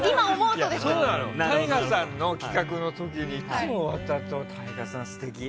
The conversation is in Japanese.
ＴＡＩＧＡさんの企画の時にいつも終わったあとにＴＡＩＧＡさん、素敵。